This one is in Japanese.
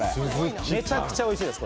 めちゃくちゃおいしいので。